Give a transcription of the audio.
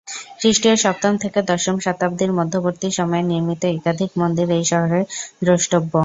খ্রিষ্টীয় সপ্তম থেকে দশম শতাব্দীর মধ্যবর্তী সময়ে নির্মিত একাধিক মন্দির এই শহরের দ্রষ্টব্য।